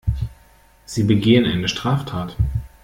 Sie begehen eine Straftat.